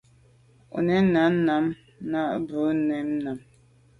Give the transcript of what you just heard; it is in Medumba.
O nèn à mum nà o à bû mèn am.